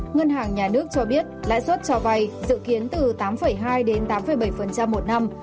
ngân hàng nhà nước cho biết lãi suất cho vay dự kiến từ tám hai đến tám bảy một năm